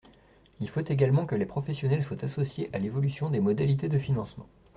Il faut également que les professionnels soient associés à l’évolution des modalités de financement.